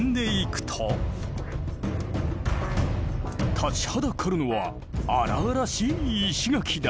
立ちはだかるのは荒々しい石垣だ。